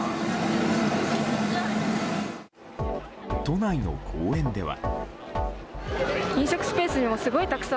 都内の公園では。